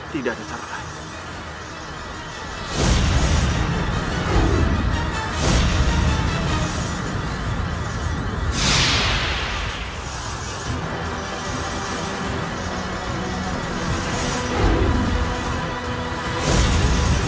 tidak ada cara lain